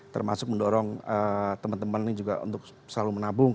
termasuk mendorong teman teman ini juga untuk selalu menabung